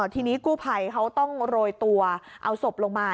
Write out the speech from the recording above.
ทีนี้กู้ภัยเขาต้องโรยตัวเอาศพลงมา